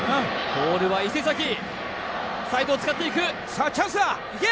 ボールは伊勢崎サイドを使っていくさあチャンスだいけ！